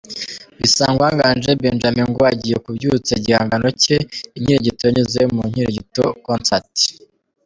Bisangwa Nganji Benjamain ngo agiye kubyutsa igihangano cye "Inkirigito" binyuze mu "Inkirigito Concert".